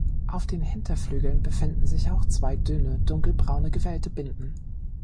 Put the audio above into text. Auf den Hinterflügeln befinden sich auch zwei dünne, dunkelbraune, gewellte Binden.